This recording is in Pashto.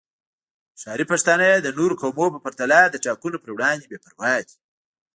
ښاري پښتانه د نورو قومونو په پرتله د ټاکنو پر وړاندې بې پروا دي